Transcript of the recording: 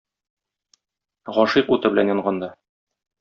Гашыйк уты белән янганда.